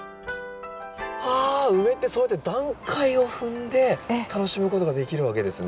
はあウメってそうやって段階を踏んで楽しむことができるわけですね。